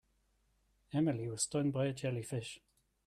Emily was stung by a jellyfish.